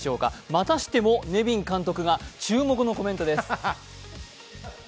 またしてもネビン監督が注目のコメントです。